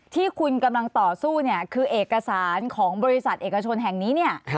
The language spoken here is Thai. ที่คุณกำลังต่อสู้เนี่ยคือเอกสารของบริษัทเอกชนแห่งนี้เนี่ย